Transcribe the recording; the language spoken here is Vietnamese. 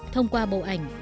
thông qua bộ ảnh